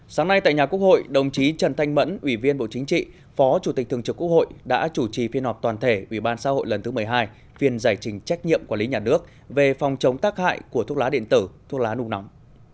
sáng nay tại nhà quốc hội đồng chí trần thanh mẫn ủy viên bộ chính trị phó chủ tịch thường trực quốc hội đã chủ trì phiên họp toàn thể ủy ban xã hội lần thứ một mươi hai phiên giải trình trách nhiệm quản lý nhà nước về phòng chống tác hại của thuốc lá điện tử thuốc lá nung nóng